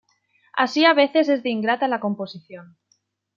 Así a veces es de ingrata la composición.